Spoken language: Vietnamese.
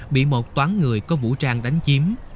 bị một toán người có vũ trang đánh chiếm